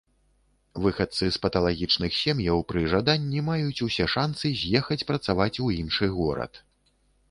Выхадцы з паталагічных сем'яў пры жаданні маюць усе шанцы з'ехаць працаваць у іншы горад.